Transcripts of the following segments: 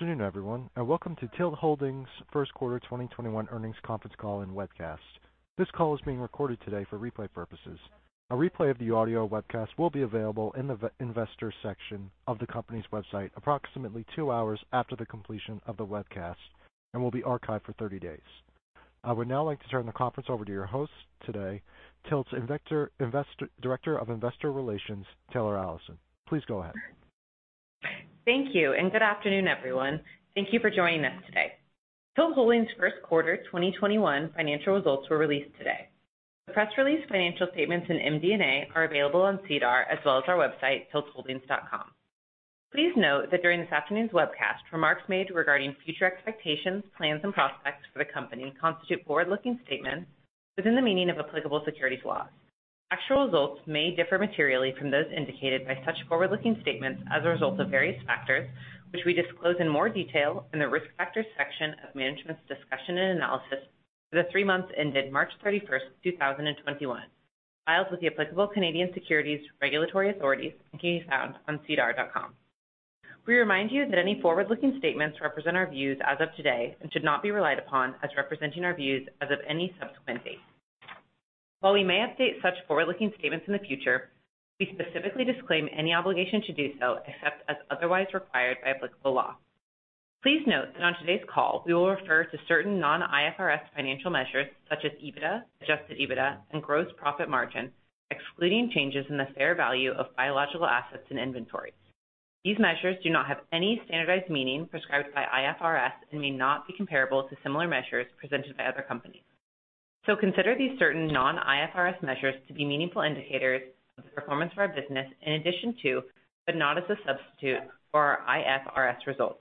Good afternoon, everyone, and welcome to TILT Holdings' first quarter 2021 earnings conference call and webcast. This call is being recorded today for replay purposes. A replay of the audio webcast will be available in the investor section of the company's website approximately two hours after the completion of the webcast and will be archived for 30 days. I would now like to turn the conference over to your host today, TILT's Director of Investor Relations, Taylor Allison. Please go ahead. Thank you, good afternoon, everyone. Thank you for joining us today. TILT Holdings' first quarter 2021 financial results were released today. The press release financial statements and MD&A are available on SEDAR as well as our website, tiltholdings.com. Please note that during this afternoon's webcast, remarks made regarding future expectations, plans, and prospects for the company constitute forward-looking statements within the meaning of applicable securities laws. Actual results may differ materially from those indicated by such forward-looking statements as a result of various factors, which we disclose in more detail in the Risk Factors section of management's discussion and analysis for the three months ended March 31st, 2021, filed with the applicable Canadian securities regulatory authorities and can be found on sedar.com. We remind you that any forward-looking statements represent our views as of today and should not be relied upon as representing our views as of any subsequent date. While we may update such forward-looking statements in the future, we specifically disclaim any obligation to do so except as otherwise required by applicable law. Please note that on today's call, we will refer to certain non-IFRS financial measures such as EBITDA, adjusted EBITDA, and gross profit margin, excluding changes in the fair value of biological assets and inventories. These measures do not have any standardized meaning prescribed by IFRS and may not be comparable to similar measures presented by other companies. Consider these certain non-IFRS measures to be meaningful indicators of the performance of our business in addition to, but not as a substitute for IFRS results.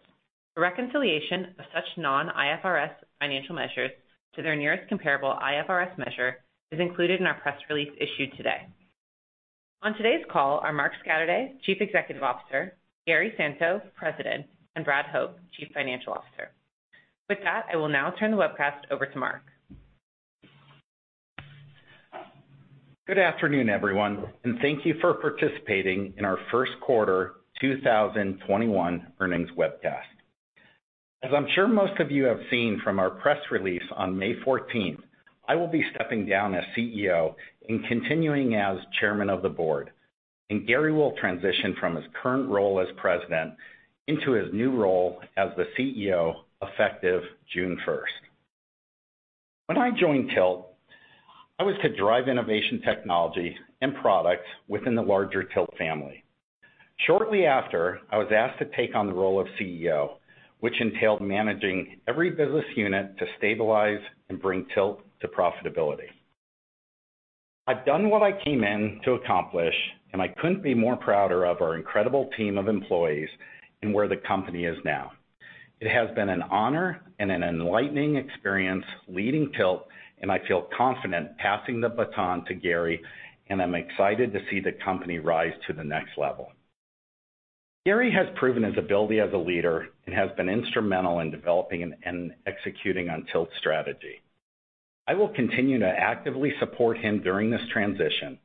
A reconciliation of such non-IFRS financial measures to their nearest comparable IFRS measure is included in our press release issued today. On today's call are Mark Scatterday, Chief Executive Officer, Gary Santo, President, and Brad Hoch, Chief Financial Officer. With that, I will now turn the webcast over to Mark. Good afternoon, everyone, and thank you for participating in our first quarter 2021 earnings webcast. As I'm sure most of you have seen from our press release on May 14th, I will be stepping down as CEO and continuing as Chairman of the Board, and Gary will transition from his current role as President into his new role as the CEO, effective June 1st. When I joined TILT, I was to drive innovation technology and products within the larger TILT family. Shortly after, I was asked to take on the role of CEO, which entailed managing every business unit to stabilize and bring TILT to profitability. I've done what I came in to accomplish, and I couldn't be more prouder of our incredible team of employees and where the company is now. It has been an honor and an enlightening experience leading TILT, and I feel confident passing the baton to Gary, and I'm excited to see the company rise to the next level. Gary has proven his ability as a leader and has been instrumental in developing and executing on TILT strategy. I will continue to actively support him during this transition,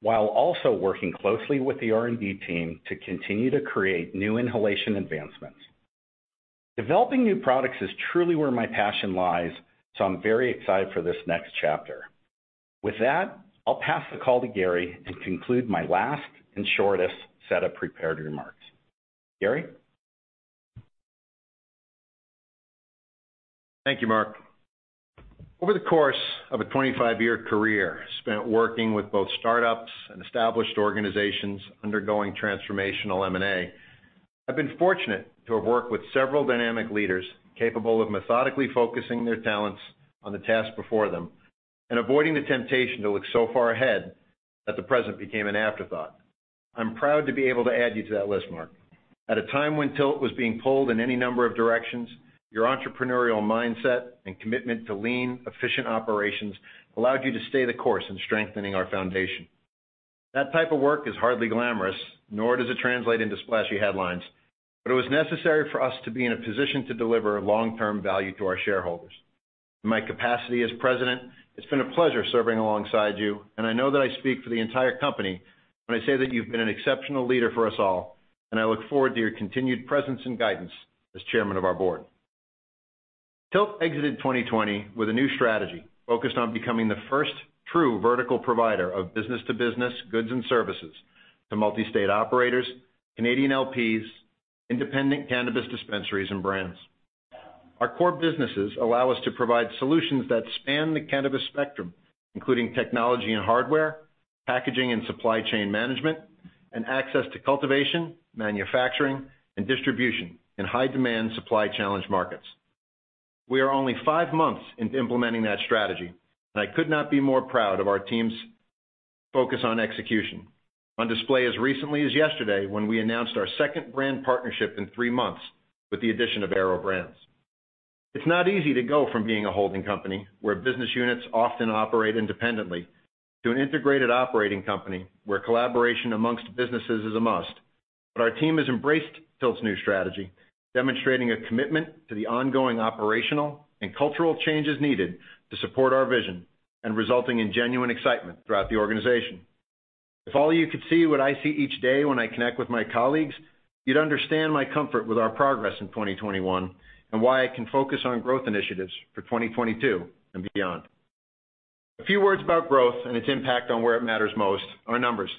while also working closely with the R&D team to continue to create new inhalation advancements. Developing new products is truly where my passion lies, so I'm very excited for this next chapter. With that, I'll pass the call to Gary and conclude my last and shortest set of prepared remarks. Gary? Thank you, Mark. Over the course of a 25-year career spent working with both startups and established organizations undergoing transformational M&A, I've been fortunate to have worked with several dynamic leaders capable of methodically focusing their talents on the task before them and avoiding the temptation to look so far ahead that the present became an afterthought. I'm proud to be able to add you to that list, Mark. At a time when TILT was being pulled in any number of directions, your entrepreneurial mindset and commitment to lean, efficient operations allowed you to stay the course in strengthening our foundation. That type of work is hardly glamorous, nor does it translate into splashy headlines, but it was necessary for us to be in a position to deliver long-term value to our shareholders. In my capacity as President, it's been a pleasure serving alongside you, and I know that I speak for the entire company when I say that you've been an exceptional leader for us all, and I look forward to your continued presence and guidance as chairman of our board. TILT exited 2020 with a new strategy focused on becoming the first true vertical provider of business-to-business goods and services to multi-state operators, Canadian LPs, independent cannabis dispensaries, and brands. Our core businesses allow us to provide solutions that span the cannabis spectrum, including technology and hardware, packaging and supply chain management, and access to cultivation, manufacturing, and distribution in high-demand, supply-challenged markets. We are only five months into implementing that strategy, and I could not be more proud of our team's focus on execution. On display as recently as yesterday when we announced our second brand partnership in three months with the addition of Airo Brands. It's not easy to go from being a holding company where business units often operate independently to an integrated operating company where collaboration amongst businesses is a must. Our team has embraced TILT's new strategy, demonstrating a commitment to the ongoing operational and cultural changes needed to support our vision and resulting in genuine excitement throughout the organization. If all you could see what I see each day when I connect with my colleagues, you'd understand my comfort with our progress in 2021, and why I can focus on growth initiatives for 2022 and beyond. A few words about growth and its impact on where it matters most, our numbers.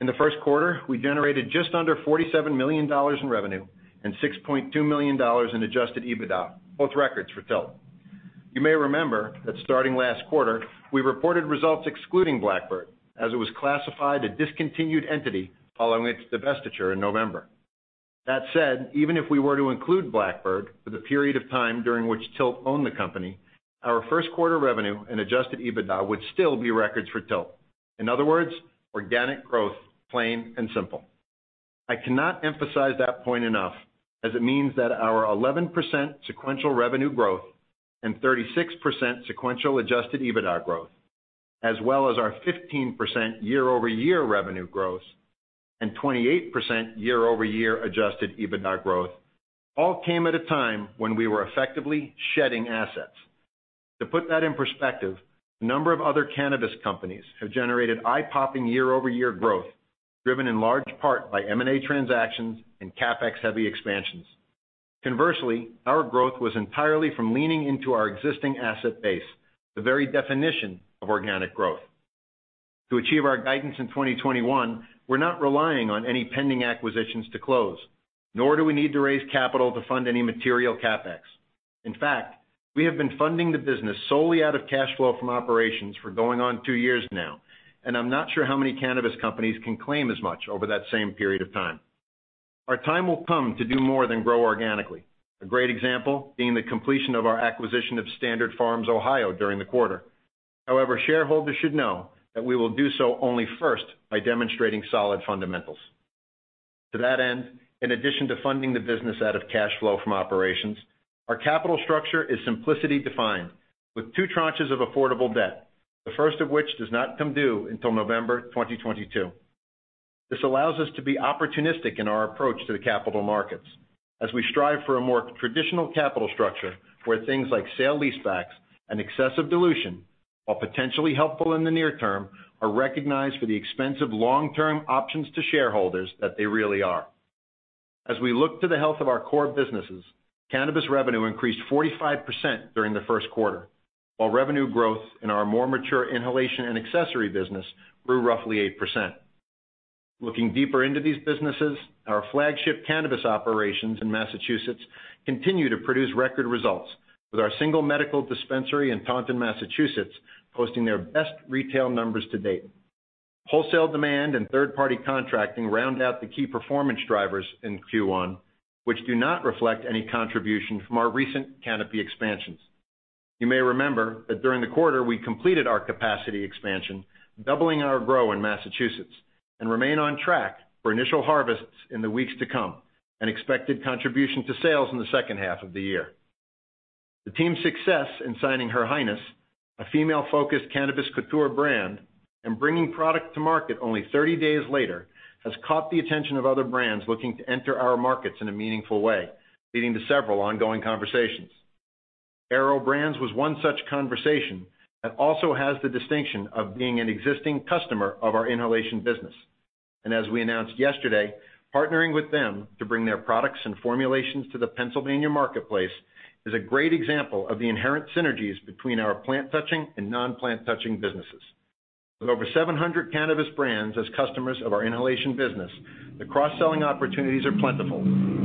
In the first quarter, we generated just under $47 million in revenue and $6.2 million in adjusted EBITDA, both records for TILT. You may remember that starting last quarter, we reported results excluding Blackbird, as it was classified a discontinued entity following its divestiture in November. That said, even if we were to include Blackbird for the period of time during which TILT owned the company, our first quarter revenue and adjusted EBITDA would still be records for TILT. In other words, organic growth, plain and simple. I cannot emphasize that point enough, as it means that our 11% sequential revenue growth and 36% sequential adjusted EBITDA growth, as well as our 15% year-over-year revenue growth and 28% year-over-year adjusted EBITDA growth. All came at a time when we were effectively shedding assets. To put that in perspective, a number of other cannabis companies have generated eye-popping year-over-year growth, driven in large part by M&A transactions and CapEx-heavy expansions. Conversely, our growth was entirely from leaning into our existing asset base, the very definition of organic growth. To achieve our guidance in 2021, we're not relying on any pending acquisitions to close, nor do we need to raise capital to fund any material CapEx. In fact, we have been funding the business solely out of cash flow from operations for going on two years now, and I'm not sure how many cannabis companies can claim as much over that same period of time. Our time will come to do more than grow organically. A great example being the completion of our acquisition of Standard Farms Ohio during the quarter. However, Shareholders should know that we will do so only first by demonstrating solid fundamentals. To that end, in addition to funding the business out of cash flow from operations, our capital structure is simplicity defined, with two tranches of affordable debt, the first of which does not come due until November 2022. This allows us to be opportunistic in our approach to the capital markets, as we strive for a more traditional capital structure where things like sale-leasebacks and excessive dilution, while potentially helpful in the near term, are recognized for the expensive long-term options to shareholders that they really are. As we look to the health of our core businesses, cannabis revenue increased 45% during the first quarter, while revenue growth in our more mature inhalation and accessory business grew roughly 8%. Looking deeper into these businesses, our flagship cannabis operations in Massachusetts continue to produce record results with our single medical dispensary in Taunton, Massachusetts, posting their best retail numbers to date. Wholesale demand and third-party contracting round out the key performance drivers in Q1, which do not reflect any contribution from our recent canopy expansions. You may remember that during the quarter, we completed our capacity expansion, doubling our grow in Massachusetts, and remain on track for initial harvests in the weeks to come, and expected contribution to sales in the second half of the year. The team's success in signing Her Highness, a female-focused cannabis couture brand, and bringing product to market only 30 days later, has caught the attention of other brands looking to enter our markets in a meaningful way, leading to several ongoing conversations. Airo Brands was one such conversation that also has the distinction of being an existing customer of our inhalation business. As we announced yesterday, partnering with them to bring their products and formulations to the Pennsylvania marketplace is a great example of the inherent synergies between our plant-touching and non-plant-touching businesses. With over 700 cannabis brands as customers of our inhalation business, the cross-selling opportunities are plentiful.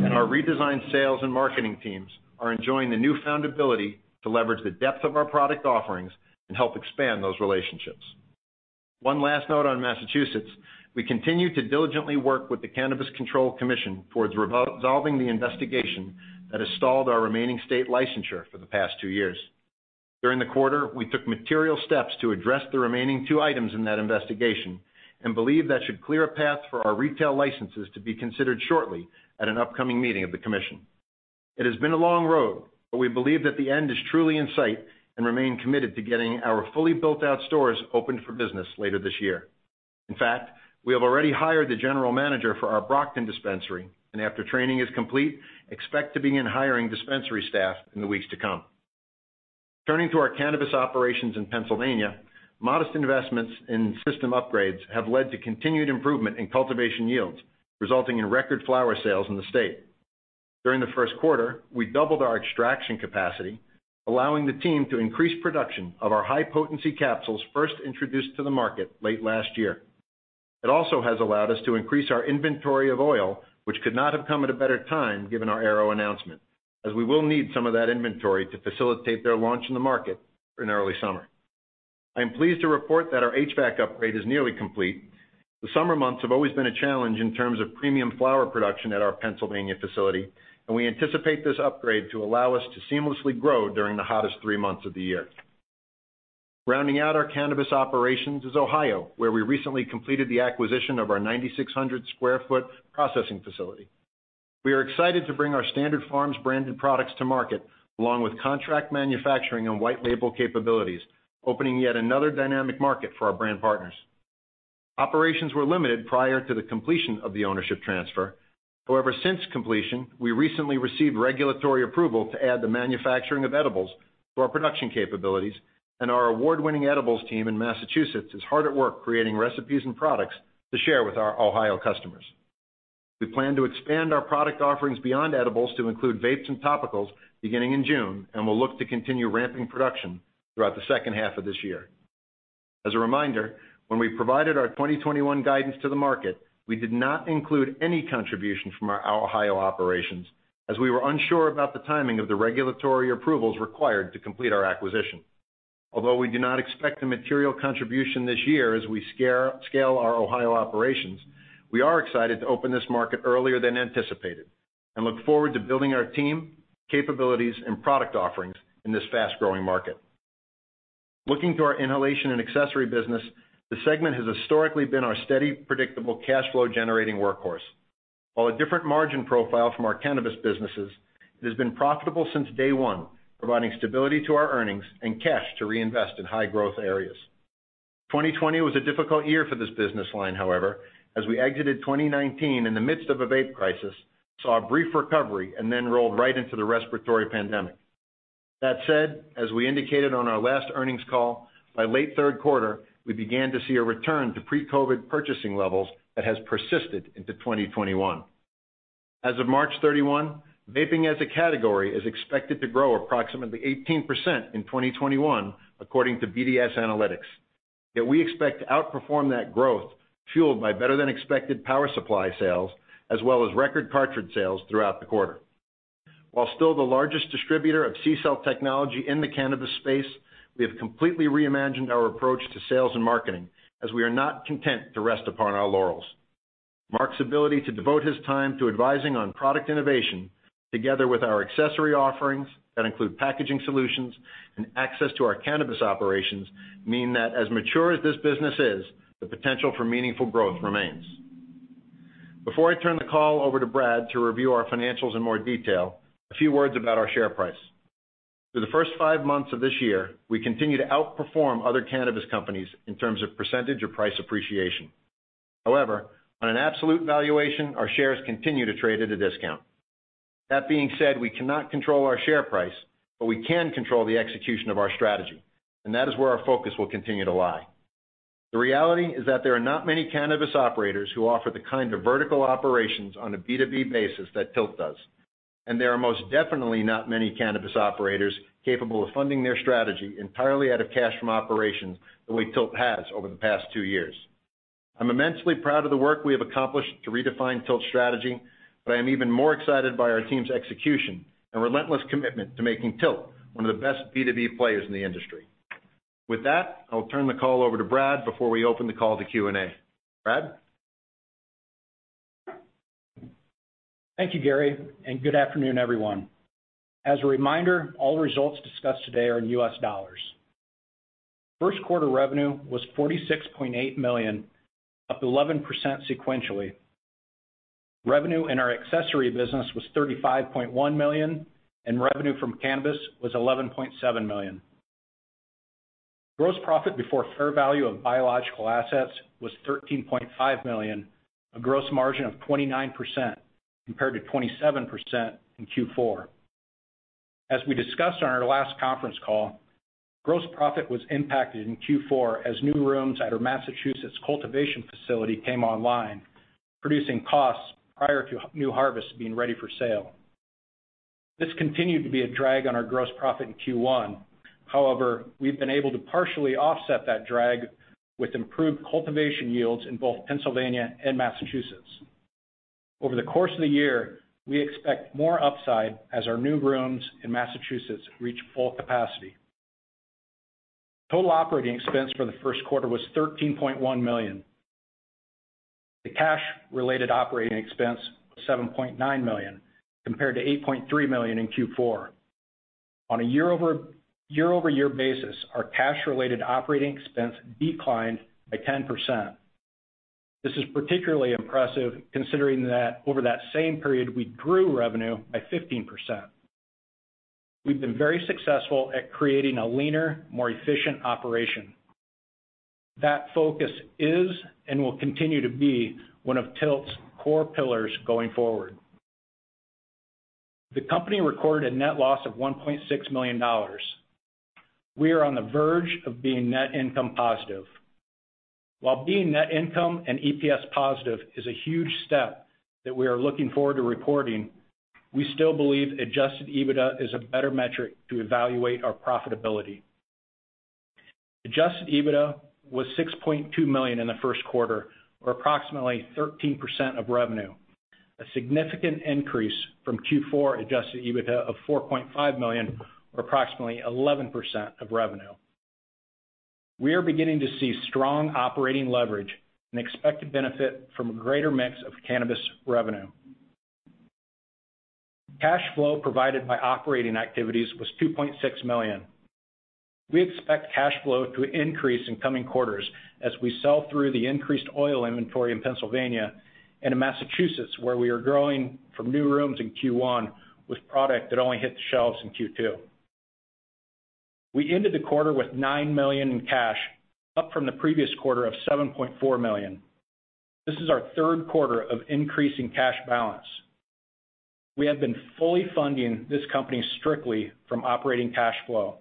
Our redesigned sales and marketing teams are enjoying the newfound ability to leverage the depth of our product offerings and help expand those relationships. One last note on Massachusetts, we continue to diligently work with the Cannabis Control Commission towards resolving the investigation that has stalled our remaining state licensure for the past two years. During the quarter, we took material steps to address the remaining two items in that investigation and believe that should clear a path for our retail licenses to be considered shortly at an upcoming meeting of the commission. It has been a long road, but we believe that the end is truly in sight and remain committed to getting our fully built-out stores opened for business later this year. In fact, we have already hired the general manager for our Brockton dispensary, and after training is complete, expect to begin hiring dispensary staff in the weeks to come. Turning to our cannabis operations in Pennsylvania, modest investments in system upgrades have led to continued improvement in cultivation yields, resulting in record flower sales in the state. During the first quarter, we doubled our extraction capacity, allowing the team to increase production of our high-potency capsules first introduced to the market late last year. It also has allowed us to increase our inventory of oil, which could not have come at a better time given our Airo announcement, as we will need some of that inventory to facilitate their launch in the market in early summer. I am pleased to report that our HVAC upgrade is nearly complete. The summer months have always been a challenge in terms of premium flower production at our Pennsylvania facility, and we anticipate this upgrade to allow us to seamlessly grow during the hottest three months of the year. Rounding out our cannabis operations is Ohio, where we recently completed the acquisition of our 9,600 square foot processing facility. We are excited to bring our Standard Farms branded products to market, along with contract manufacturing and white label capabilities, opening yet another dynamic market for our brand partners. Operations were limited prior to the completion of the ownership transfer. Since completion, we recently received regulatory approval to add the manufacturing of edibles to our production capabilities, and our award-winning edibles team in Massachusetts is hard at work creating recipes and products to share with our Ohio customers. We plan to expand our product offerings beyond edibles to include vapes and topicals beginning in June, and we'll look to continue ramping production throughout the second half of this year. As a reminder, when we provided our 2021 guidance to the market, we did not include any contribution from our Ohio operations, as we were unsure about the timing of the regulatory approvals required to complete our acquisition. Although we do not expect a material contribution this year as we scale our Ohio operations, we are excited to open this market earlier than anticipated, and look forward to building our team, capabilities, and product offerings in this fast-growing market. Looking to our inhalation and accessory business, the segment has historically been our steady, predictable cash flow generating workhorse. While a different margin profile from our cannabis businesses, it has been profitable since day one, providing stability to our earnings and cash to reinvest in high-growth areas. 2020 was a difficult year for this business line, however, as we exited 2019 in the midst of a vape crisis, saw a brief recovery, and then rolled right into the respiratory pandemic. That said, as we indicated on our last earnings call, by late third quarter, we began to see a return to pre-COVID purchasing levels that has persisted into 2021. As of March 31, vaping as a category is expected to grow approximately 18% in 2021, according to BDS Analytics. Yet we expect to outperform that growth, fueled by better than expected power supply sales, as well as record cartridge sales throughout the quarter. While still the largest distributor of CCELL technology in the cannabis space, we have completely reimagined our approach to sales and marketing, as we are not content to rest upon our laurels. Mark's ability to devote his time to advising on product innovation, together with our accessory offerings that include packaging solutions and access to our cannabis operations, mean that as mature as this business is, the potential for meaningful growth remains. Before I turn the call over to Brad to review our financials in more detail, a few words about our share price. Through the first five months of this year, we continue to outperform other cannabis companies in terms of percentage of price appreciation. However, on an absolute valuation, our shares continue to trade at a discount. That being said, we cannot control our share price, but we can control the execution of our strategy, and that is where our focus will continue to lie. The reality is that there are not many cannabis operators who offer the kind of vertical operations on a B2B basis that TILT does, and there are most definitely not many cannabis operators capable of funding their strategy entirely out of cash from operations the way TILT has over the past two years. I'm immensely proud of the work we have accomplished to redefine TILT's strategy, but I am even more excited by our team's execution and relentless commitment to making TILT one of the best B2B players in the industry. With that, I will turn the call over to Brad before we open the call to Q&A. Brad? Thank you, Gary, good afternoon, everyone. As a reminder, all results discussed today are in U.S. dollars. First quarter revenue was $46.8 million, up to 11% sequentially. Revenue in our accessory business was $35.1 million, revenue from cannabis was $11.7 million. Gross profit before fair value of biological assets was $13.5 million, a gross margin of 29%, compared to 27% in Q4. As we discussed on our last conference call, gross profit was impacted in Q4 as new rooms at our Massachusetts cultivation facility came online, producing costs prior to new harvests being ready for sale. This continued to be a drag on our gross profit in Q1. However, we've been able to partially offset that drag with improved cultivation yields in both Pennsylvania and Massachusetts. Over the course of the year, we expect more upside as our new rooms in Massachusetts reach full capacity. Total operating expense for the first quarter was $13.1 million. The cash-related operating expense, $7.9 million, compared to $8.3 million in Q4. On a year-over-year basis, our cash-related operating expense declined by 10%. This is particularly impressive considering that over that same period, we grew revenue by 15%. We've been very successful at creating a leaner, more efficient operation. That focus is and will continue to be one of TILT's core pillars going forward. The company recorded a net loss of $1.6 million. We are on the verge of being net income positive. While being net income and EPS positive is a huge step that we are looking forward to reporting, we still believe adjusted EBITDA is a better metric to evaluate our profitability. Adjusted EBITDA was $6.2 million in the first quarter, or approximately 13% of revenue, a significant increase from Q4 adjusted EBITDA of $4.5 million, or approximately 11% of revenue. We are beginning to see strong operating leverage, an expected benefit from a greater mix of cannabis revenue. Cash flow provided by operating activities was $2.6 million. We expect cash flow to increase in coming quarters as we sell through the increased oil inventory in Pennsylvania and in Massachusetts, where we are growing from new rooms in Q1 with product that only hit the shelves in Q2. We ended the quarter with $9 million in cash, up from the previous quarter of $7.4 million. This is our third quarter of increasing cash balance. We have been fully funding this company strictly from operating cash flow.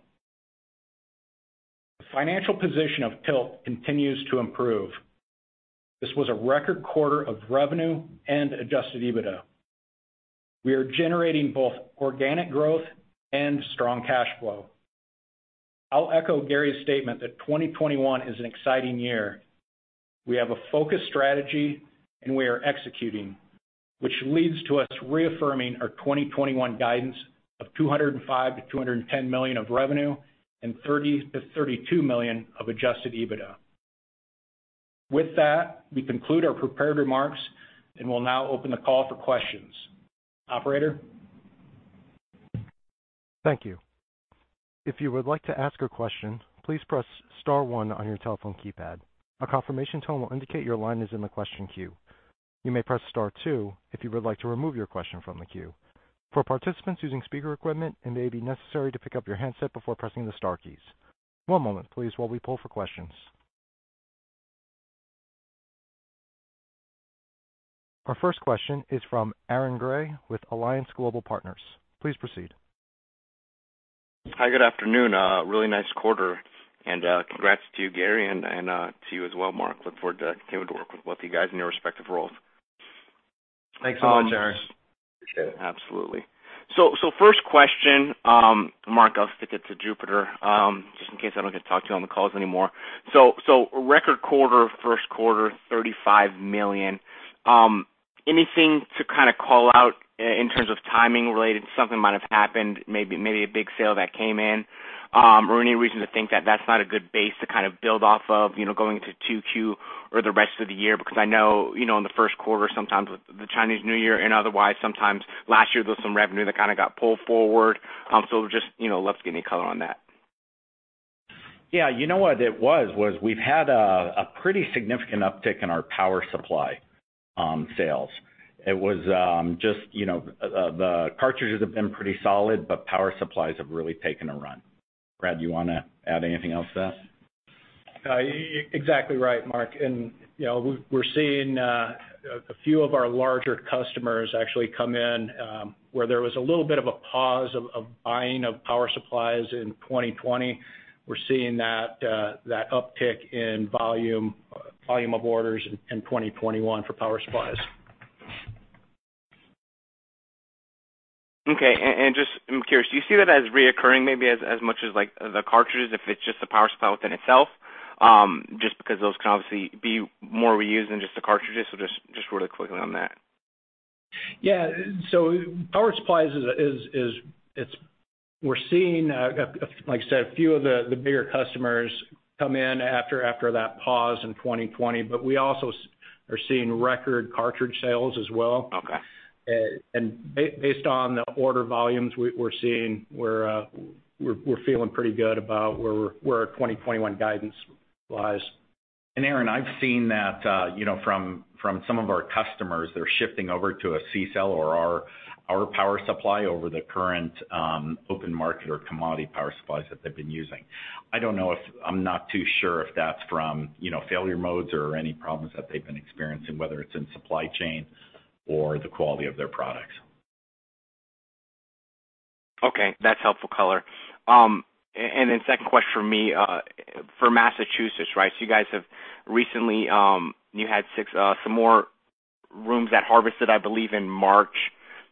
The financial position of TILT continues to improve. This was a record quarter of revenue and adjusted EBITDA. We are generating both organic growth and strong cash flow. I'll echo Gary's statement that 2021 is an exciting year. We have a focused strategy and we are executing, which leads to us re-affirming our 2021 guidance of $205 million-$210 million of revenue and $30 million-$32 million of adjusted EBITDA. With that, we conclude our prepared remarks and will now open the call for questions. Operator? Thank you. If you would like to ask a question, please press star one on your telephone keypad. A confirmation tone will indicate your line is in the question queue. You may press star two if you would like to remove your question from the queue. For participants using speaker equipment, it may be necessary to pick up your handset before pressing the star keys. One moment, please, while we pull for questions. Our first question is from Aaron Grey with Alliance Global Partners. Please proceed. Hi, good afternoon. Really nice quarter, and congrats to you, Gary, and to you as well, Mark. Look forward to continue to work with both of you guys in your respective roles. Thanks so much, Aaron. Appreciate it. Absolutely. First question, Mark, I'll stick it to Jupiter, just in case I don't get to talk to you on the calls anymore. Record quarter, first quarter, $35 million. Anything to call out in terms of timing related? Something might have happened, maybe a big sale that came in, or any reason to think that that's not a good base to build off of, going into 2Q or the rest of the year? I know, in the first quarter, sometimes with the Chinese New Year and otherwise, sometimes last year, there was some revenue that got pulled forward. Just love to get any color on that. Yeah. You know what it was, we've had a pretty significant uptick in our power supply sales. It was just the cartridges have been pretty solid, but power supplies have really taken a run. Brad, do you want to add anything else to that? Exactly right, Mark. We're seeing a few of our larger customers actually come in, where there was a little bit of a pause of buying of power supplies in 2020. We're seeing that uptick in volume of orders in 2021 for power supplies. Okay. I'm curious, do you see that as reoccurring maybe as much as like the cartridges, if it's just the power supply within itself? Just because those can obviously be more reused than just the cartridges. Just really quickly on that. Yeah. power supplies we're seeing, like I said, a few of the bigger customers come in after that pause in 2020. we also are seeing record cartridge sales as well. Okay. Based on the order volumes we're seeing, we're feeling pretty good about where our 2021 guidance lies. Aaron, I've seen that from some of our customers that are shifting over to a CCELL or our power supply over the current open market or commodity power supplies that they've been using. I'm not too sure if that's from failure modes or any problems that they've been experiencing, whether it's in supply chain or the quality of their products. Okay, that's helpful color. Second question from me, for Massachusetts, you guys have recently had six more rooms that harvested, I believe, in March.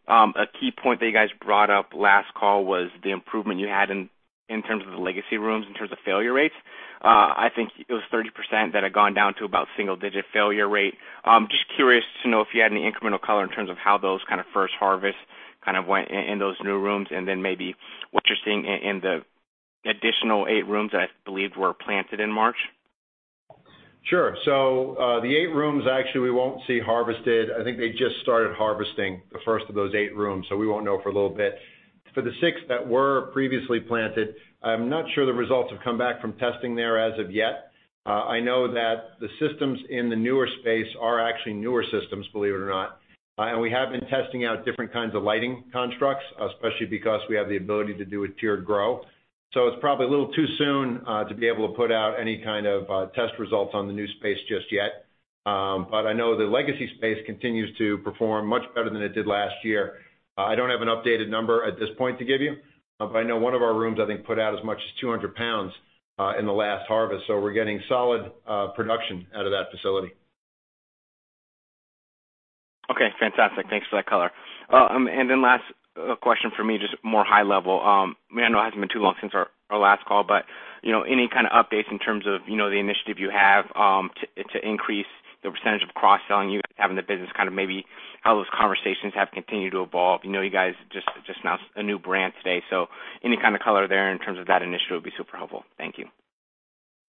A key point that you guys brought up last call was the improvement you had in terms of the legacy rooms, in terms of failure rates. I think it was 30% that had gone down to about single-digit failure rate. Just curious to know if you had any incremental color in terms of how those first harvests went in those new rooms, and maybe what you're seeing in the additional eight rooms that I believe were planted in March. Sure. The eight rooms actually we won't see harvested. I think they just started harvesting the first of those eight rooms, so we won't know for a little bit. For the six that were previously planted, I'm not sure the results have come back from testing there as of yet. I know that the systems in the newer space are actually newer systems, believe it or not. We have been testing out different kinds of lighting constructs, especially because we have the ability to do a tiered grow. It's probably a little too soon to be able to put out any kind of test results on the new space just yet. But I know the legacy space continues to perform much better than it did last year. I don't have an updated number at this point to give you, but I know one of our rooms, I think, put out as much as 200lbs in the last harvest, so we're getting solid production out of that facility. Okay, fantastic. Thanks for that color. Last question from me, just more high level. I know it hasn't been too long since our last call, but any kind of updates in terms of the initiative you have to increase the percentage of cross-selling you have in the business, maybe how those conversations have continued to evolve? You guys just announced a new brand today, so any kind of color there in terms of that initiative would be super helpful. Thank you.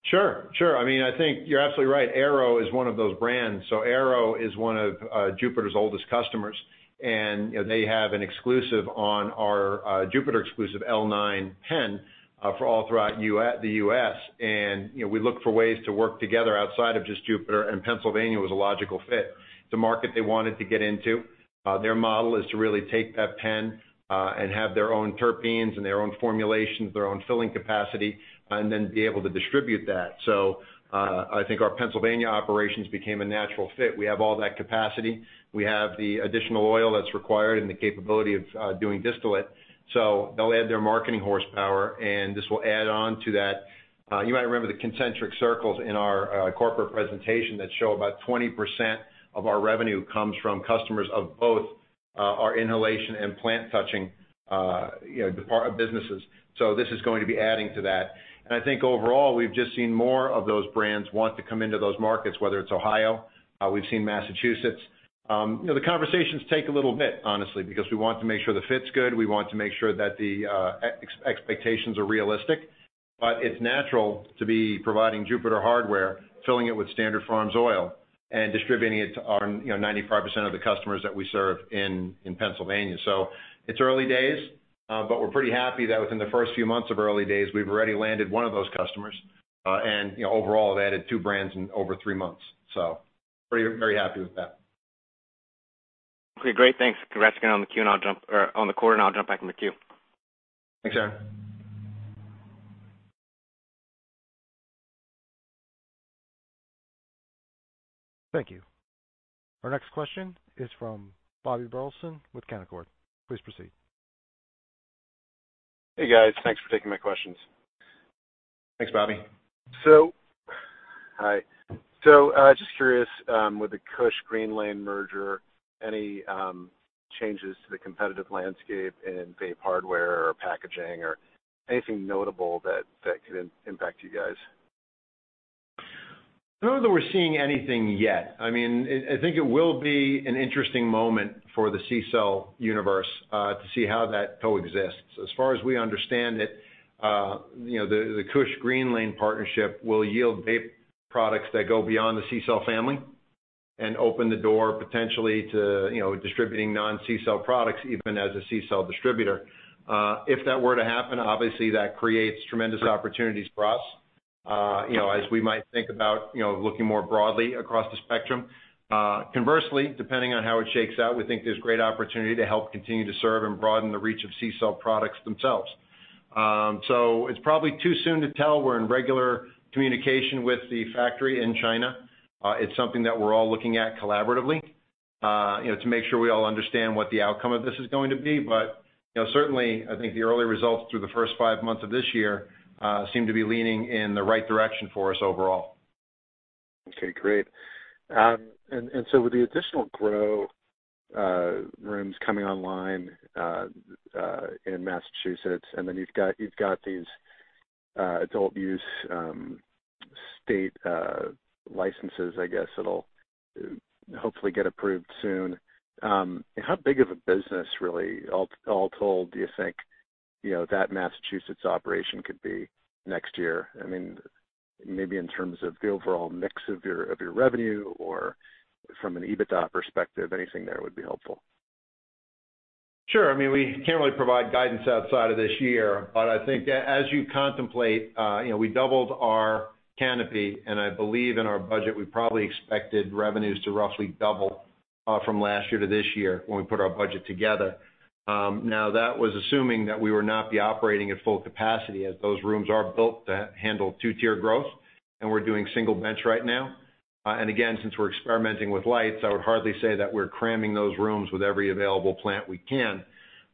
Sure. I think you're absolutely right. Airo is one of those brands. Airo is one of Jupiter's oldest customers, and they have an exclusive on our Jupiter exclusive L9 pen for all throughout the U.S. We look for ways to work together outside of just Jupiter, and Pennsylvania was a logical fit. It's a market they wanted to get into. Their model is to really take that pen and have their own terpenes and their own formulations, their own filling capacity, and then be able to distribute that. I think our Pennsylvania operations became a natural fit. We have all that capacity. We have the additional oil that's required and the capability of doing distillate. They'll add their marketing horsepower, and this will add on to that. You might remember the concentric circles in our corporate presentation that show about 20% of our revenue comes from customers of both our inhalation and plant touching businesses. This is going to be adding to that. I think overall, we've just seen more of those brands want to come into those markets, whether it's Ohio, we've seen Massachusetts. The conversations take a little bit, honestly, because we want to make sure the fit's good. We want to make sure that the expectations are realistic. It's natural to be providing Jupiter hardware, filling it with Standard Farms oil and distributing it to our 95% of the customers that we serve in Pennsylvania. It's early days, but we're pretty happy that within the first few months of early days, we've already landed one of those customers. Overall have added two brands in over three months, so very happy with that. Okay, great. Thanks. Congrats again on the call, and I'll jump back in the queue. Thanks, Aaron. Thank you. Our next question is from Bobby Burleson with Canaccord. Please proceed. Hey, guys. Thanks for taking my questions. Thanks, Bobby. Hi. Just curious, with the KushCo-Greenlane merger, any changes to the competitive landscape in vape hardware or packaging or anything notable that could impact you guys? I don't know that we're seeing anything yet. I think it will be an interesting moment for the CCELL universe, to see how that coexists. As far as we understand it, the KushCo-Greenlane partnership will yield vape products that go beyond the CCELL family and open the door potentially to distributing non-CCELL products, even as a CCELL distributor. If that were to happen, obviously that creates tremendous opportunities for us, as we might think about looking more broadly across the spectrum. Conversely, depending on how it shakes out, we think there's great opportunity to help continue to serve and broaden the reach of CCELL products themselves. It's probably too soon to tell. We're in regular communication with the factory in China. It's something that we're all looking at collaboratively, to make sure we all understand what the outcome of this is going to be. Certainly, I think the early results through the first five months of this year seem to be leaning in the right direction for us overall. Okay, great. With the additional grow rooms coming online in Massachusetts, you've got these adult use, state licenses, I guess that'll hopefully get approved soon. How big of a business, really, all told, do you think that Massachusetts operation could be next year? Maybe in terms of the overall mix of your revenue or from an EBITDA perspective, anything there would be helpful. Sure. I think as you contemplate, we doubled our canopy and I believe in our budget, we probably expected revenues to roughly double from last year to this year when we put our budget together. That was assuming that we would not be operating at full capacity as those rooms are built to handle 2-tier grow, and we're doing single bench right now. Again, since we're experimenting with lights, I would hardly say that we're cramming those rooms with every available plant we can.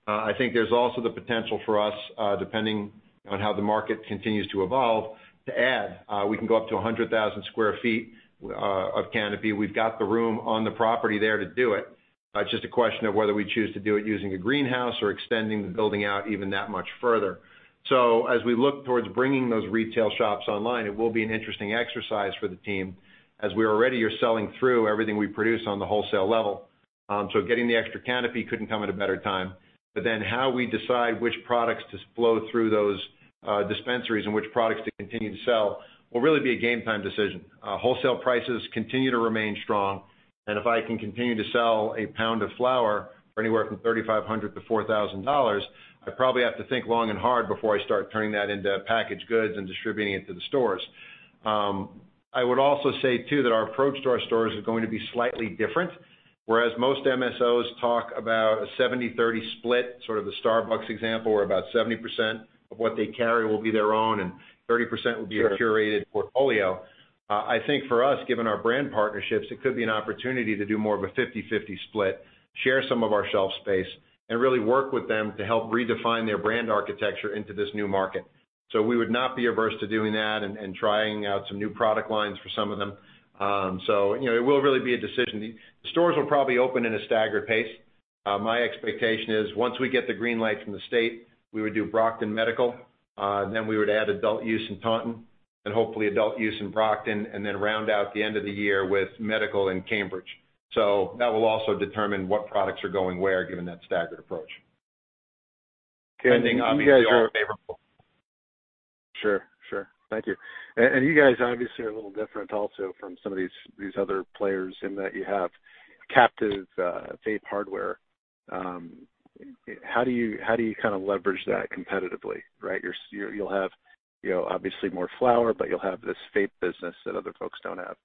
I think there's also the potential for us, depending on how the market continues to evolve, to add. We can go up to 100,000 square feet of canopy. We've got the room on the property there to do it. It's just a question of whether we choose to do it using a greenhouse or extending the building out even that much further. As we look towards bringing those retail shops online, it will be an interesting exercise for the team as we already are selling through everything we produce on the wholesale level. Getting the extra canopy couldn't come at a better time. How we decide which products to flow through those dispensaries and which products to continue to sell will really be a game time decision. Wholesale prices continue to remain strong, and if I can continue to sell a pound of flower for anywhere from $3,500-$4,000, I probably have to think long and hard before I start turning that into packaged goods and distributing it to the stores. I would also say, too, that our approach to our stores is going to be slightly different. Whereas most MSOs talk about a 70%/30% split, sort of the Starbucks example, where about 70% of what they carry will be their own and 30% will be a curated portfolio. I think for us, given our brand partnerships, it could be an opportunity to do more of a 50%/50% split, share some of our shelf space, and really work with them to help redefine their brand architecture into this new market. We would not be averse to doing that and trying out some new product lines for some of them. It will really be a decision. The stores will probably open in a staggered pace. My expectation is once we get the green light from the state, we would do Brockton Medical, then we would add adult use in Taunton and hopefully adult use in Brockton, and then round out the end of the year with medical in Cambridge. That will also determine what products are going where, given that staggered approach. And you guys are- Margins obviously are favorable. Sure. Thank you. You guys obviously are a little different also from some of these other players in that you have captive vape hardware. How do you leverage that competitively? You'll have obviously more flower, but you'll have this vape business that other folks don't have.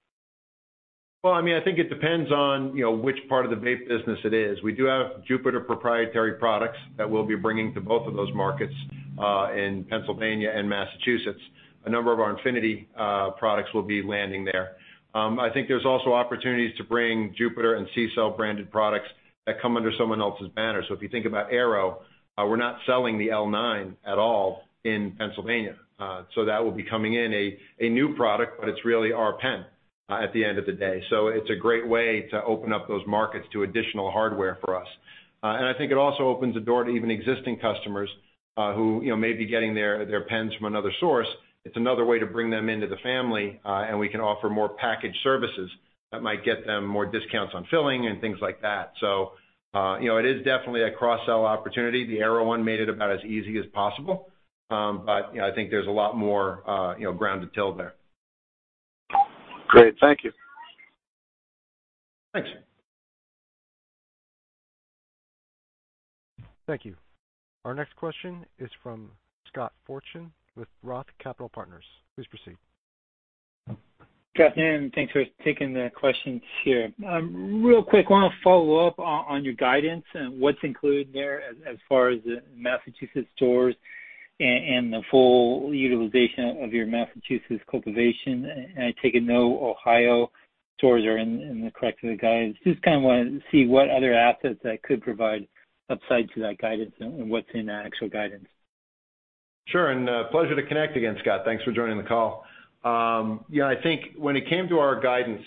Well, I think it depends on which part of the vape business it is. We do have Jupiter proprietary products that we'll be bringing to both of those markets, in Pennsylvania and Massachusetts. A number of our Infinity products will be landing there. I think there's also opportunities to bring Jupiter and CCELL-branded products that come under someone else's banner. If you think about Airo, we're not selling the L9 at all in Pennsylvania. That will be coming in a new product, but it's really our pen at the end of the day. It's a great way to open up those markets to additional hardware for us. I think it also opens the door to even existing customers, who may be getting their pens from another source. It's another way to bring them into the family, and we can offer more package services that might get them more discounts on filling and things like that. It is definitely a cross-sell opportunity. The Airo one made it about as easy as possible. I think there's a lot more ground to TILT there. Great, thank you. Thanks. Thank you. Our next question is from Scott Fortune with Roth Capital Partners. Please proceed. Scott Fortune, thanks for taking the questions here. Real quick, I want to follow up on your guidance and what's included there as far as the Massachusetts stores and the full utilization of your Massachusetts cultivation. I take it no Ohio stores are in the corrective guidance. Just kind of wanted to see what other assets that could provide upside to that guidance and what's in the actual guidance? Sure, pleasure to connect again, Scott. Thanks for joining the call. I think when it came to our guidance,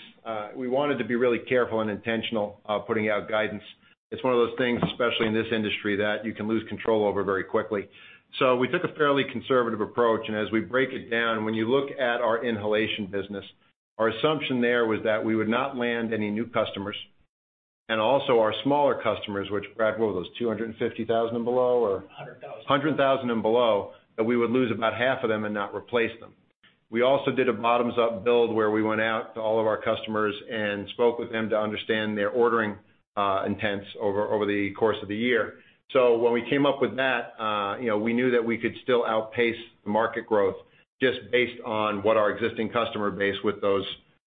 we wanted to be really careful and intentional about putting out guidance. It's one of those things, especially in this industry, that you can lose control over very quickly. We took a fairly conservative approach, and as we break it down, when you look at our inhalation business, our assumption there was that we would not land any new customers, and also our smaller customers, which, Brad, what were those, 250,000 and below or 100,000 and below, that we would lose about half of them and not replace them. We also did a bottoms-up build where we went out to all of our customers and spoke with them to understand their ordering intents over the course of the year. When we came up with that, we knew that we could still outpace the market growth just based on what our existing customer base with those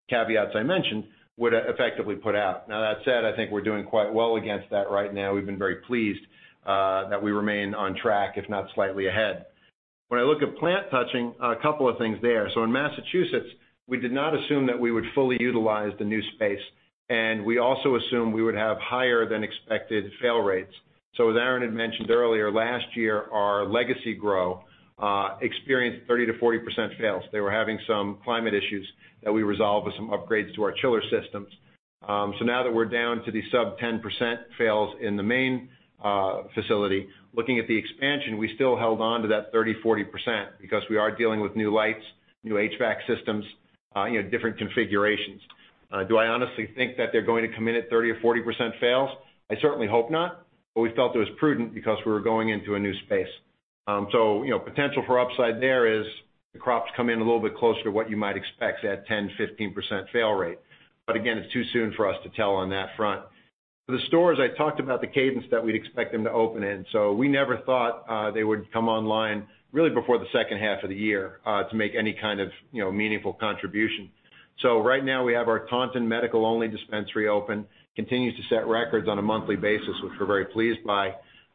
caveats I mentioned would effectively put out. That said, I think we're doing quite well against that right now. We've been very pleased that we remain on track, if not slightly ahead. When I look at plant touching, a couple of things there. In Massachusetts, we did not assume that we would fully utilize the new space, and we also assumed we would have higher than expected fail rates. As Aaron had mentioned earlier, last year, our legacy grow experienced 30%-40% fails. They were having some climate issues that we resolved with some upgrades to our chiller systems. Now that we're down to the sub 10% fails in the main facility, looking at the expansion, we still held on to that 30%, 40% because we are dealing with new lights, new HVAC systems, different configurations. Do I honestly think that they're going to come in at 30% or 40% fails? I certainly hope not, but we felt it was prudent because we were going into a new space. Potential for upside there is the crops come in a little bit closer to what you might expect, that 10%, 15% fail rate. Again, it's too soon for us to tell on that front. For the stores, I talked about the cadence that we'd expect them to open in. We never thought they would come online really before the second half of the year to make any kind of meaningful contribution. Right now we have our Taunton medical-only dispensary open, continues to set records on a monthly basis, which we're very pleased by.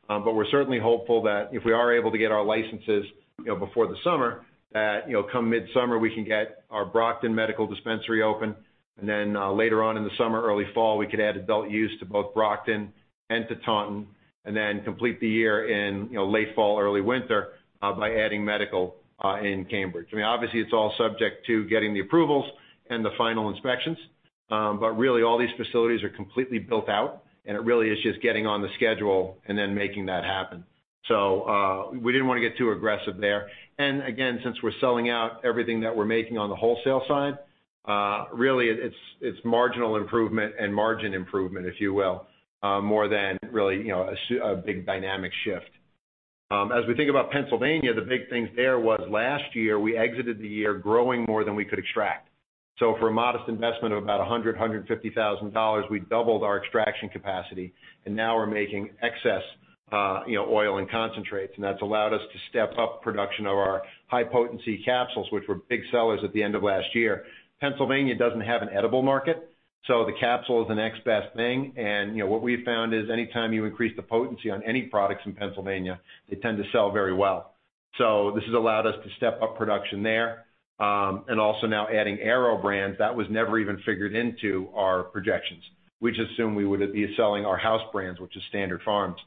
We're certainly hopeful that if we are able to get our licenses before the summer, that come mid-summer, we can get our Brockton medical dispensary open. Later on in the summer, early fall, we could add adult use to both Brockton and to Taunton, and then complete the year in late fall, early winter, by adding medical in Cambridge. Obviously, it's all subject to getting the approvals and the final inspections. But really all these facilities are completely built out, and it really is just getting on the schedule and then making that happen. We didn't want to get too aggressive there. Again, since we're selling out everything that we're making on the wholesale side, really it's marginal improvement and margin improvement, if you will, more than really a big dynamic shift. As we think about Pennsylvania, the big things there was last year, we exited the year growing more than we could extract. For a modest investment of about $100,000, $150,000, we doubled our extraction capacity, and now we're making excess oil and concentrates, and that's allowed us to step up production of our high-potency capsules, which were big sellers at the end of last year. Pennsylvania doesn't have an edible market, so the capsule is the next best thing. And what we've found is anytime you increase the potency on any products in Pennsylvania, they tend to sell very well. This has allowed us to step up production there. Also now adding Airo Brands, that was never even figured into our projections. We just assumed we would be selling our house brands, which is Standard Farms.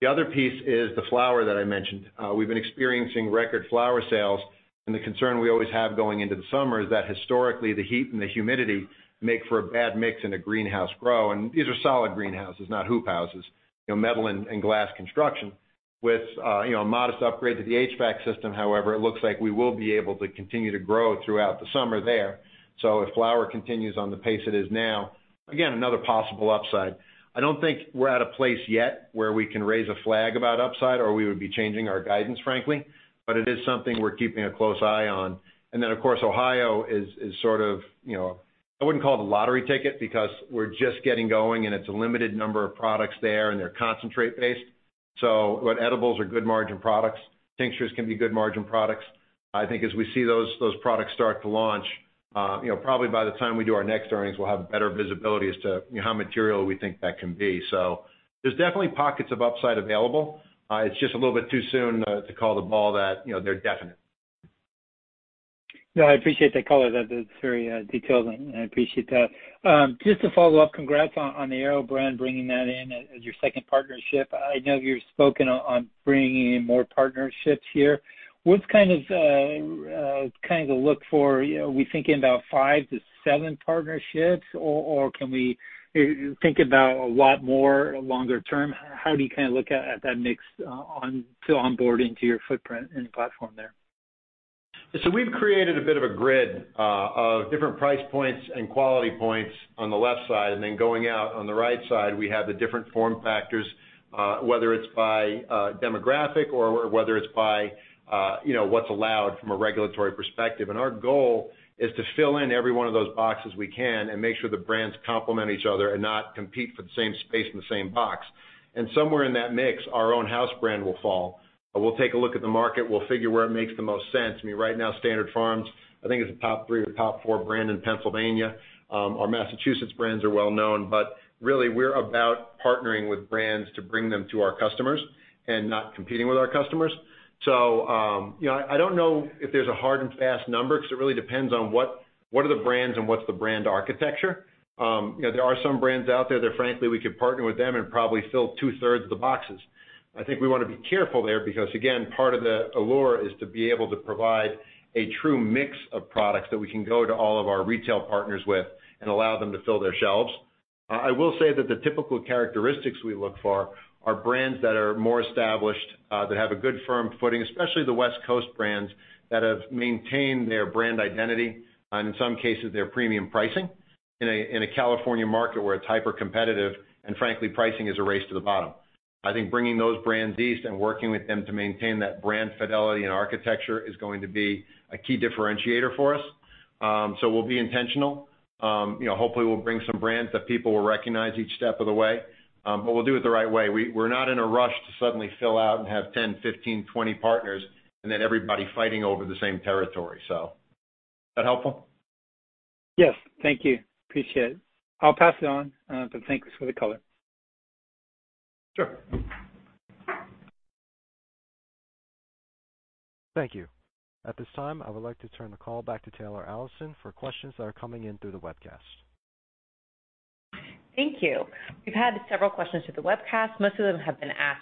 The other piece is the flower that I mentioned. We've been experiencing record flower sales, and the concern we always have going into the summer is that historically the heat and the humidity make for a bad mix in a greenhouse grow, and these are solid greenhouses, not hoop houses, metal and glass construction. With a modest upgrade to the HVAC system, however, it looks like we will be able to continue to grow throughout the summer there. If flower continues on the pace it is now, again, another possible upside. I don't think we're at a place yet where we can raise a flag about upside, or we would be changing our guidance, frankly. It is something we're keeping a close eye on. Then, of course, Ohio is sort of I wouldn't call it a lottery ticket because we're just getting going, and it's a limited number of products there, and they're concentrate-based. Edibles are good margin products. Tinctures can be good margin products. I think as we see those products start to launch, probably by the time we do our next earnings, we'll have better visibility as to how material we think that can be. There's definitely pockets of upside available. It's just a little bit too soon to call the ball that they're definite. No, I appreciate the color. That's very detailed, and I appreciate that. Just to follow up, congrats on the Airo brand, bringing that in as your second partnership. I know you've spoken on bringing in more partnerships here. What's kind of the look for, are we thinking about 5-7 partnerships, or can we think about a lot more longer-term? How do you look at that mix to onboard into your footprint and platform there? We've created a bit of a grid of different price points and quality points on the left side, then going out on the right side, we have the different form factors, whether it's by demographic or whether it's by what's allowed from a regulatory perspective. Our goal is to fill in every one of those boxes we can and make sure the brands complement each other and not compete for the same space in the same box. Somewhere in that mix, our own house brand will fall. We'll take a look at the market, we'll figure where it makes the most sense. Right now, Standard Farms, I think, is a top three or top four brand in Pennsylvania. Our Massachusetts brands are well-known, but really, we're about partnering with brands to bring them to our customers and not competing with our customers. I don't know if there's a hard and fast number because it really depends on what are the brands and what's the brand architecture. There are some brands out there that, frankly, we could partner with them and probably fill two-thirds of the boxes. I think we want to be careful there because, again, part of the allure is to be able to provide a true mix of products that we can go to all of our retail partners with and allow them to fill their shelves. I will say that the typical characteristics we look for are brands that are more established, that have a good firm footing, especially the West Coast brands that have maintained their brand identity and, in some cases, their premium pricing in a California market where it's hyper-competitive, and frankly, pricing is a race to the bottom. I think bringing those brands east and working with them to maintain that brand fidelity and architecture is going to be a key differentiator for us. We'll be intentional. Hopefully, we'll bring some brands that people will recognize each step of the way. We'll do it the right way. We're not in a rush to suddenly fill out and have 10, 15, 20 partners and then everybody fighting over the same territory. That helpful? Yes. Thank you. Appreciate it. I'll pass it on, but thanks for the color. Sure. Thank you. At this time, I would like to turn the call back to Taylor Allison for questions that are coming in through the webcast. Thank you. We've had several questions through the webcast. Most of them have been asked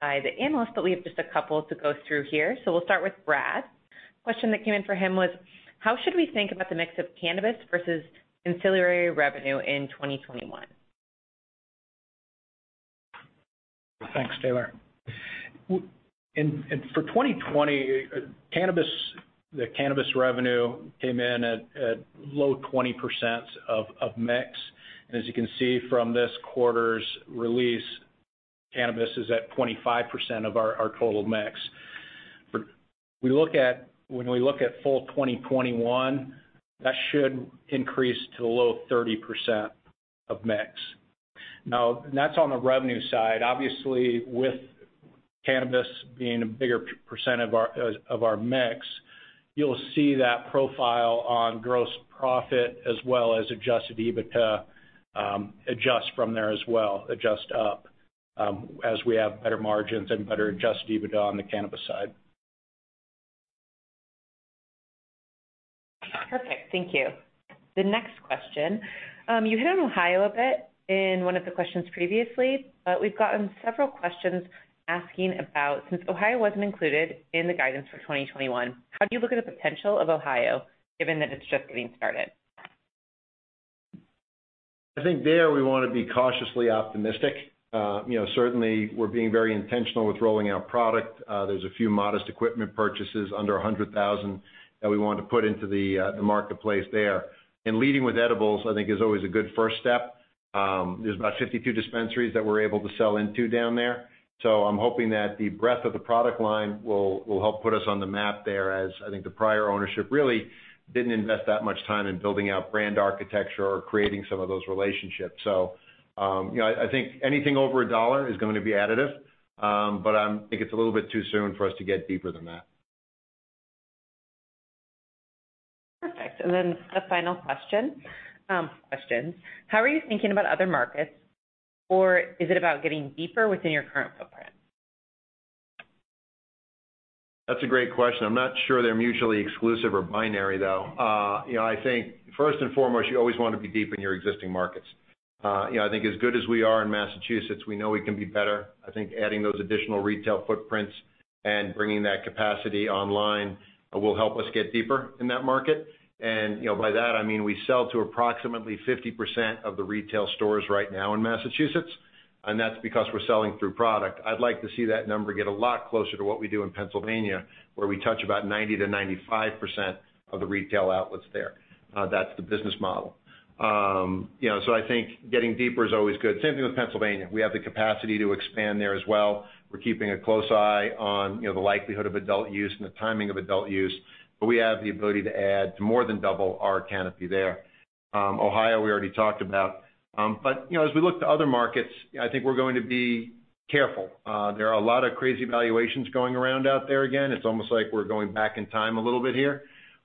by the Analysts, but we have just a couple to go through here. We'll start with Brad. Question that came in for him was: How should we think about the mix of Cannabis versus Ancillary revenue in 2021? Thanks, Taylor. For 2020, the cannabis revenue came in at low 20% of mix. As you can see from this quarter's release, cannabis is at 25% of our total mix. When we look at full 2021, that should increase to a low 30% of mix. That's on the revenue side. Obviously, with cannabis being a bigger % of our mix, you'll see that profile on gross profit as well as adjusted EBITDA adjust from there as well, adjust up, as we have better margins and better adjusted EBITDA on the cannabis side. Perfect. Thank you. The next question. You hit on Ohio a bit in one of the questions previously, but we've gotten several questions asking about, since Ohio wasn't included in the guidance for 2021, how do you look at the potential of Ohio given that it's just getting started? I think there we want to be cautiously optimistic. Certainly, we're being very intentional with rolling out product. There's a few modest equipment purchases under $100,000 that we want to put into the marketplace there. Leading with edibles, I think, is always a good first step. There's about 52 dispensaries that we're able to sell into down there, so I'm hoping that the breadth of the product line will help put us on the map there as, I think, the prior ownership really didn't invest that much time in building out brand architecture or creating some of those relationships. I think anything over $1 is going to be additive, but I think it's a little bit too soon for us to get deeper than that. Perfect. The final question. How are you thinking about other markets, or is it about getting deeper within your current footprint? That's a great question. I'm not sure they're mutually exclusive or binary, though. I think first and foremost, you always want to be deep in your existing markets. I think as good as we are in Massachusetts, we know we can be better. I think adding those additional retail footprints and bringing that capacity online will help us get deeper in that market. By that, I mean we sell to approximately 50% of the retail stores right now in Massachusetts, and that's because we're selling through product. I'd like to see that number get a lot closer to what we do in Pennsylvania, where we touch about 90%-95% of the retail outlets there. That's the business model. I think getting deeper is always good. Same thing with Pennsylvania. We have the capacity to expand there as well. We're keeping a close eye on the likelihood of adult use and the timing of adult use. We have the ability to add to more than double our canopy there. Ohio, we already talked about. As we look to other markets, I think we're going to be careful. There are a lot of crazy valuations going around out there again, it's almost like we're going back in time a little bit here.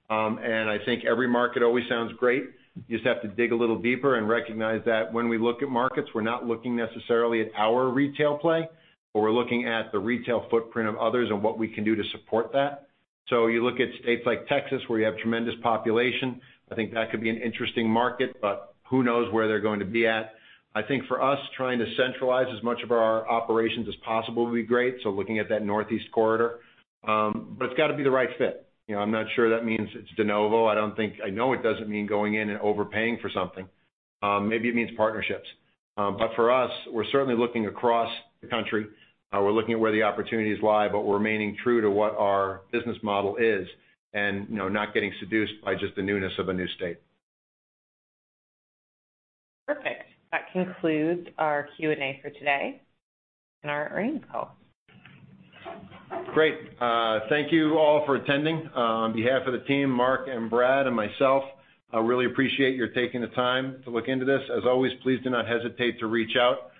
I think every market always sounds great. You just have to dig a little deeper and recognize that when we look at markets, we're not looking necessarily at our retail play, but we're looking at the retail footprint of others and what we can do to support that. You look at states like Texas where you have tremendous population. I think that could be an interesting market, but who knows where they're going to be at. I think for us, trying to centralize as much of our operations as possible would be great, so looking at that Northeast Corridor. It's got to be the right fit. I'm not sure that means it's de novo. I know it doesn't mean going in and overpaying for something. Maybe it means partnerships. For us, we're certainly looking across the country. We're looking at where the opportunities lie, but we're remaining true to what our business model is and not getting seduced by just the newness of a new state. Perfect. That concludes our Q&A for today and our earnings call. Great. Thank you all for attending. On behalf of the team, Mark and Brad Hoch and myself, I really appreciate your taking the time to look into this. As always, please do not hesitate to reach out.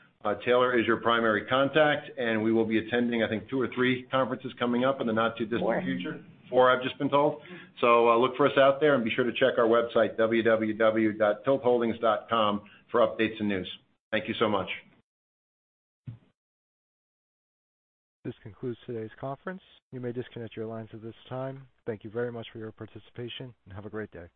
Taylor is your primary contact, and we will be attending, I think, two or three conferences coming up in the not too distant future. Four. Four I've just been told. Look for us out there and be sure to check our website, www.tiltholdings.com, for updates and news. Thank you so much. This concludes today's conference. You may disconnect your lines at this time. Thank you very much for your participation, and have a great day.